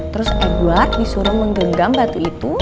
terus edward disuruh menggenggam batu itu